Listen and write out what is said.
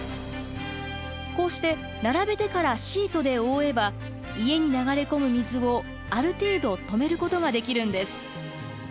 こうして並べてからシートで覆えば家に流れ込む水をある程度止めることができるんです。